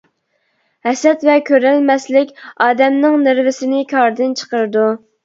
ھەسەت ۋە كۆرەلمەسلىك ئادەمنىڭ نېرۋىسىنى كاردىن چىقىرىدۇ.